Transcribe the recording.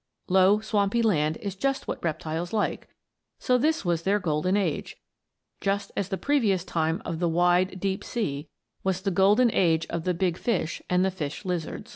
Low, swampy land is just what reptiles like, so this was their Golden Age, just as the previous time of the wide, deep sea was the Golden Age of the big fish and the fish lizards.